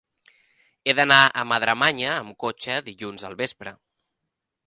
He d'anar a Madremanya amb cotxe dilluns al vespre.